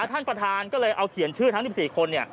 ท่านประธานก็เลยเอาเขียนชื่อทั้ง๑๔คน